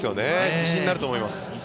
自信になると思います。